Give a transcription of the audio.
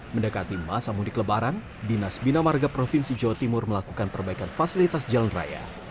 mendekati masa mudik lebaran dinas bina marga provinsi jawa timur melakukan perbaikan fasilitas jalan raya